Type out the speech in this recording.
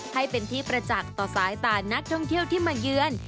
ให้เป็นที่ประจักษ์ต่อสายตานักท่องเที่ยวที่มาเยือน